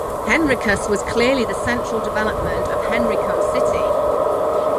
Henricus was clearly the central development of Henrico Cittie.